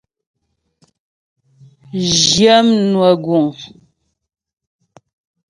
Zhyə mnwə guŋ.